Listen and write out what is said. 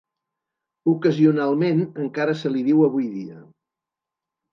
Ocasionalment encara se li diu avui dia.